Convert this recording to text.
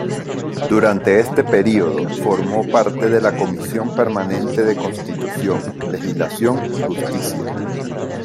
Durante este período, formó parte de la comisión permanente de Constitución, Legislación y Justicia.